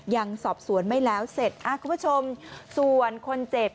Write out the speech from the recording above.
ยังสอบสวนไม่แล้วเสร็จคุณผู้ชมส่วนคนเจ็บ